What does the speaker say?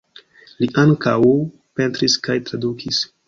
Li ankaŭ pentris kaj tradukis.